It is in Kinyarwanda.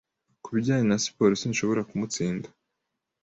Ku bijyanye na siporo, sinshobora kumutsinda.